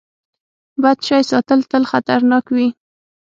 بد شی ساتل تل خطرناک وي.